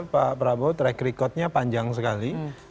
pak prabowo track recordnya panjang sekali